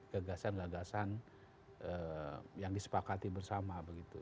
jadi gagasan gagasan yang disepakati bersama